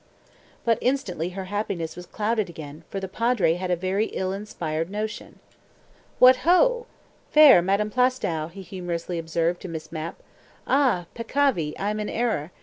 But instantly her happiness was clouded again, for the Padre had a very ill inspired notion. "What ho! fair Madam Plaistow," he humorously observed to Miss Mapp. "Ah! Peccavi! I am in error.